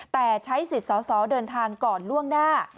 แต่ใช้สิทธิ์สอสอเดินทางก่อนล่วงหน้า